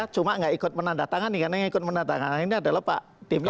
cuma tidak ikut menandatangan ini karena tidak ikut menandatangan ini adalah pak tim latif